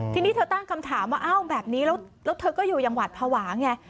ทีนี้เธอตั้งคำถามว่าอ้าวแบบนี้แล้วเธอก็อยู่อย่างหวัดภาวะไง